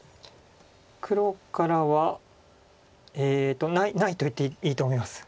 黒からはないと言っていいと思います。